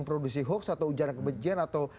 produksi hoax atau ujaran kebencian atau